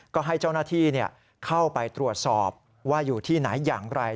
ก็ให้เจ้าหน้าที่เข้าไปตรวจสอบว่าอยู่ที่ไหนอย่างไร